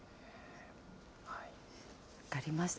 分かりました。